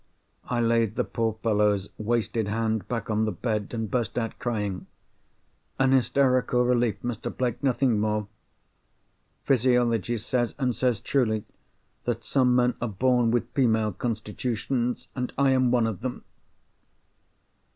I laid the poor fellow's wasted hand back on the bed, and burst out crying. An hysterical relief, Mr. Blake—nothing more! Physiology says, and says truly, that some men are born with female constitutions—and I am one of them!"